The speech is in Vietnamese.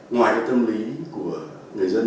ngoài tâm lý của người dân